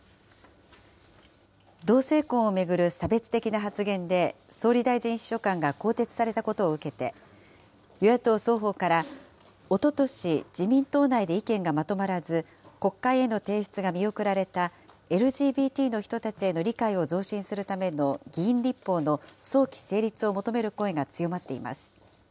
同性婚を巡る差別的な発言で、総理大臣秘書官が更迭されたことを受けて、与野党双方からおととし、自民党内で意見がまとまらず、国会への提出が見送られたＬＧＢＴの人たちへの理解を増進するための議員立法の早期成立を求める声が強まっています。